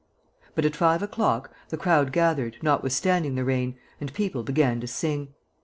But, at five o'clock, the crowd gathered, notwithstanding the rain, and people began to sing.